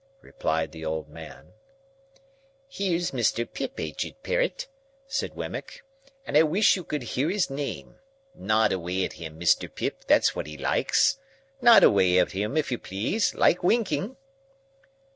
replied the old man. "Here's Mr. Pip, aged parent," said Wemmick, "and I wish you could hear his name. Nod away at him, Mr. Pip; that's what he likes. Nod away at him, if you please, like winking!"